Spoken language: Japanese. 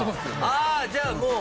ああじゃあもう。